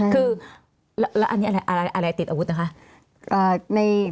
คือแล้วอันนี้อะไรติดอาวุธนะคะ